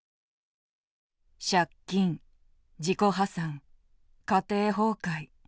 「借金、自己破産、家庭崩壊。